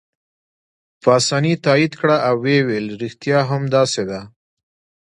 پاسیني تایید کړه او ویې ویل: ریښتیا هم داسې ده.